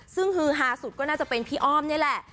ซึ่งฮือฮาสุดก็น่าจะเป็นพี่อ้อมนี่แหละ